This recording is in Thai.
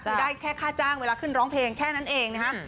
คือได้แค่ค่าจ้างเวลาขึ้นร้องเพลงแค่นั้นเองนะครับ